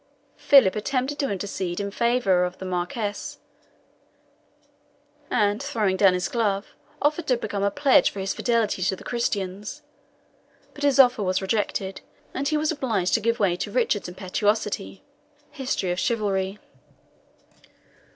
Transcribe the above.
Philip attempted to intercede in favour of the Marquis, and throwing down his glove, offered to become a pledge for his fidelity to the Christians; but his offer was rejected, and he was obliged to give way to Richard's impetuosity." HISTORY OF CHIVALRY.